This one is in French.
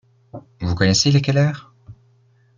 Vous connaissez les Keller ?